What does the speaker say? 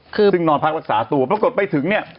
ซึ่งนอนพักรักษาตัวปรากฏไปถึงเนี่ย